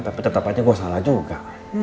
tapi tetap aja gue salah juga